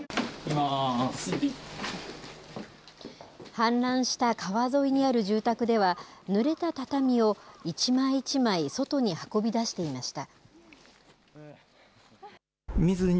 氾濫した川沿いにある住宅では、ぬれた畳を一枚一枚外に運び出していました。